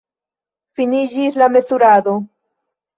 Finiĝis la mezurado.